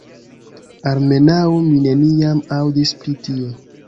Almenaŭ mi neniam aŭdis pri tio.